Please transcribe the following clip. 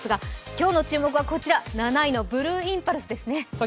今日の注目は７位のブルーインパルスですね。